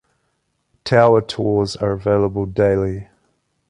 Tower tours are available daily.